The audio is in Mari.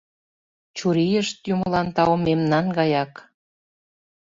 Чурийышт, юмылан тау, мемнан гаяк.